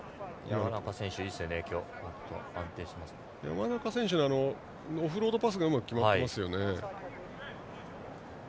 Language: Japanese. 山中選手のオフロードパスうまく決まっていますね。